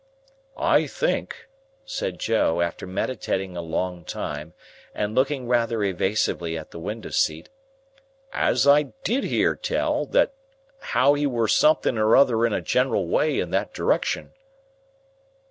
"I think," said Joe, after meditating a long time, and looking rather evasively at the window seat, "as I did hear tell that how he were something or another in a general way in that direction."